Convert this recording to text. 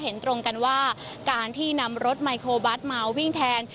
เห็นตรงกันว่าการที่นำรถไมโครบัสมาวิ่งแทน